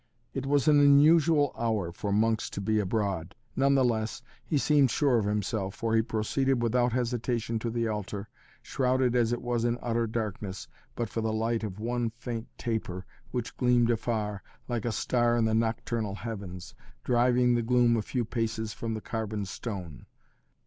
It was an unusual hour for monks to be abroad. None the less, he seemed sure of himself, for he proceeded without hesitation to the altar, shrouded as it was in utter darkness, but for the light of one faint taper, which gleamed afar, like a star in the nocturnal heavens, driving the gloom a few paces from the carven stone.